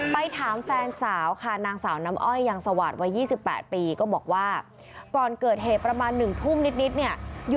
ไปถามแฟนสาวค่ะนางสาวน้ำอ้อยยังสวาดวัย๒๘ปีก็บอกว่าก่อนเกิดเหตุประมาณ๑ทุ่มนิดเนี่ย